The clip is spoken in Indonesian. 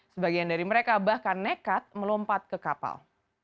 sebagian dari mereka bahkan nekat melompat ke kapal